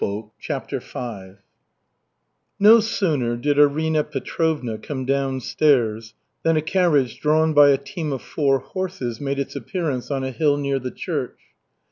_] CHAPTER V No sooner did Arina Petrovna come downstairs, than a carriage drawn by a team of four horses made its appearance on a hill near the church.